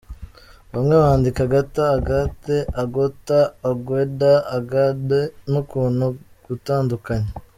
Bamwe bandika Agata, Agathe, Agota, Agueda, Agda n’ukundi gutandukanye.